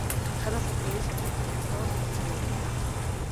გადასასვლელი სატრანსპორტო მნიშვნელობისაა.